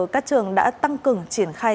các trường đã tăng cường triển khai